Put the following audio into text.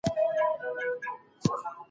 دا کلا چا جوړه کړې ده؟